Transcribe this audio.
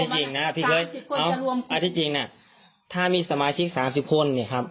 ไม่จำเป็นต้องถึง๓๐ได้มา๕คนแหละครับ